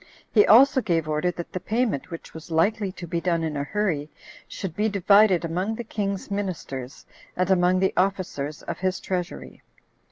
He also gave order that the payment, which was likely to be done in a hurry, should be divided among the king's ministers, and among the officers of his treasury.